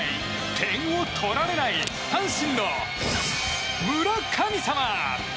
点を取られない阪神の村神様。